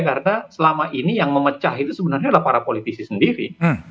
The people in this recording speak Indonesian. karena selama ini yang memecah itu sebenarnya adalah para politisi sendiri